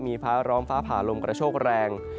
มีฟ้าร้องฟ้าผ่าลมกระโชกแรง